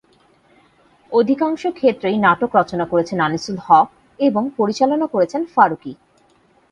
অধিকাংশ ক্ষেত্রেই নাটক রচনা করেছেন আনিসুল হক এবং পরিচালনা করেছেন ফারুকী।